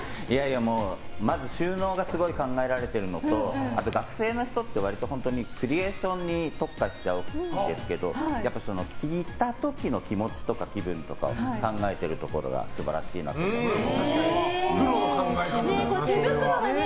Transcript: まず、収納がすごい考えられてるのとあと学生の人ってクリエーションに特化しちゃうんですけど着た時の気持ちとか気分とかを考えてるところが素晴らしいなと思います。